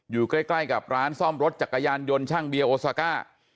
อยู่ใกล้กับร้านซ่อมรถจักรยานยนต์ช่างเบียโอซาก้า